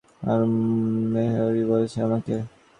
আর মেহরি বলেছে আমাকে।